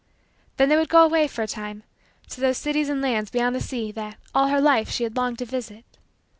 Then they would go away, for a time, to those cities and lands beyond the sea that, all her life, she had longed to visit.